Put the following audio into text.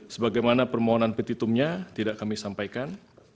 sebagaimana permohonan petitumnya tidak kami sampaikan